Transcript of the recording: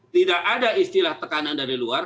tidak ada istilah tekanan dari luar